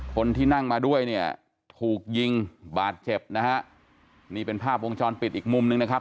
คนที่นั่งมาด้วยเนี่ยถูกยิงบาดเจ็บนะฮะนี่เป็นภาพวงจรปิดอีกมุมนึงนะครับ